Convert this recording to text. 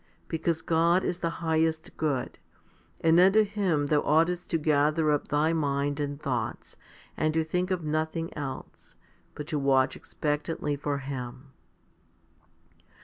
Because God is the highest good ; and unto Him thou oughtest to gather up thy mind and thoughts, and to think of nothing else, but to watch expectantly for Him.